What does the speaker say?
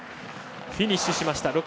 フィニッシュしました。